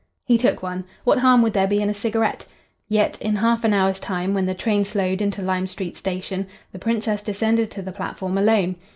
He took one. What harm would there be in a cigarette? Yet, in half an hour's time, when the train slowed into Lime Street Station, the Princess descended to the platform alone.